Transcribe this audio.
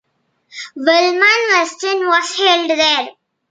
William Weston was held there.